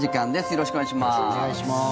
よろしくお願いします。